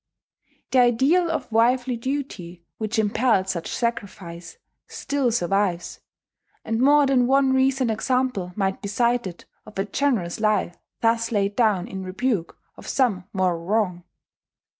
The ideal of wifely duty which impelled such sacrifice still survives; and more than one recent example might be cited of a generous life thus laid down in rebuke of some moral wrong.